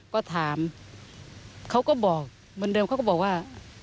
ก็ถามเขาก็บอกเดิมเขาก็บอกว่า